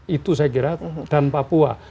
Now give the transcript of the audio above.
itu saya kira dan papua